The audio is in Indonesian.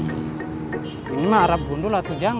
ini ini mah arab bundul lah tujang